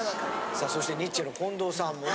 さあそしてニッチェの近藤さんもね